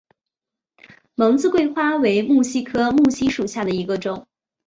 蒙自桂花为木犀科木犀属下的一个种。